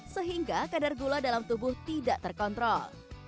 sehingga kadar gula dalam tubuh tidak terkontrol